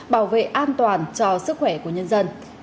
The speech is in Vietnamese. bảo vệ an toàn cho sức khỏe của nhân dân